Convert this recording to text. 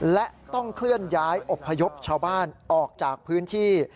และต้องเคลื่อนย้ายอบพยพชาวบ้านออกจากพื้นที่